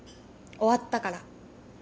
終わったから。